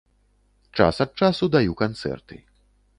Час ад часу даю канцэрты.